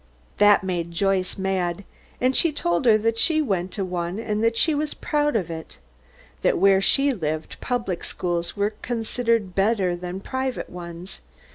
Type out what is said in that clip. That made Joyce mad, and she told her that she went to one and that she was proud of it; that where she lived public schools were considered better than the private ones.